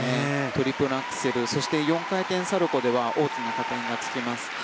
トリプルアクセルそして、４回転サルコウでは大きな加点がつきます。